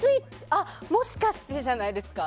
もしかしてじゃないですか？